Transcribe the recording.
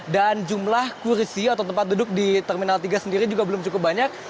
dan jumlah kursi atau tempat duduk di terminal tiga sendiri juga belum cukup banyak